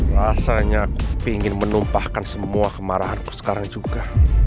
rasanya ingin menumpahkan semua kemarahanku sekarang juga